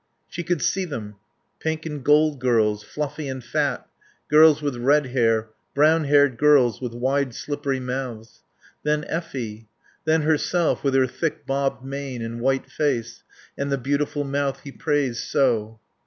She could see them. Pink and gold girls, fluffy and fat; girls with red hair; brown haired girls with wide slippery mouths. Then Effie. Then herself, with her thick bobbed mane and white face. And the beautiful mouth he praised so.